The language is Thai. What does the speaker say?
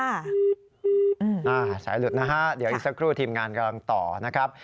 สายหลุดนะฮะเดี๋ยวอีกสักครู่ทีมงานกำลังต่อนะครับ